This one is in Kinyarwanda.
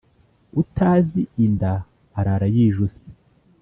Utazi inda arara yijuse.